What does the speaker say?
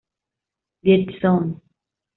Dead Zone